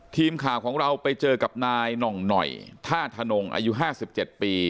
ทีมข่าวของเราไปเจอกับนายหน่องหน่อยท่าธนงอายุ๕๗ปี